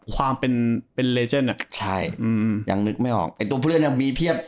ความเป็นเป็นใช่อืมยังนึกไม่ออกไอ้ตัวผู้เล่นน่ะมีเพียบ